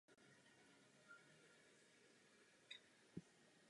Tyto rejstříky jsou veřejnými seznamy s výjimkou některých osobních údajů.